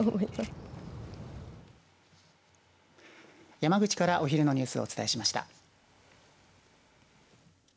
山口からお昼のニュースをお伝えしました。